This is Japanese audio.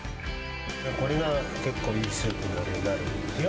これが結構、いいスープになるんですよ。